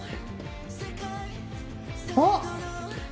あっ。